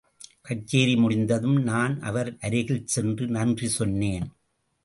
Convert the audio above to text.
கச்சேரி முடிந்ததும் நான் அவர் அருகில் சென்று நன்றி சொன்னேன்.